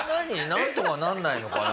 なんとかなんないのかな？